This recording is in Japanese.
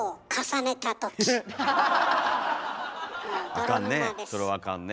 あかんね。